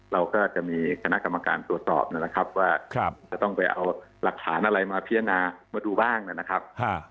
เราก็จะมีคณะกรรมการตรวจสอบนะครับว่าจะต้องไปเอาหลักฐานอะไรมาพิจารณามาดูบ้างนะครับ